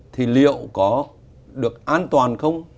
thì liệu có được an toàn không